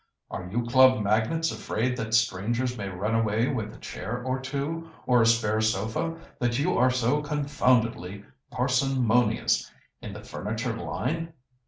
"Are you club magnates afraid that strangers may run away with a chair or two, or a spare sofa, that you are so confoundedly parsimonious in the furniture line?"